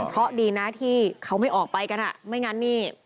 เพราะดีนะที่เขาไม่ออกไปกันอ่ะไม่งั้นนี่